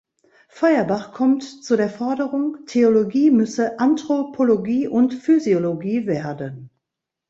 Feuerbach kommt zu der Forderung, Theologie müsse Anthropologie und Physiologie werden.